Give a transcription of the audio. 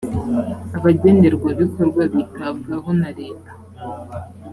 abagenerwabikorwa bitabwaho na leta.